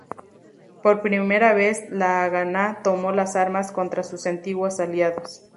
Por primera vez, la Haganá tomó las armas contra sus antiguos aliados.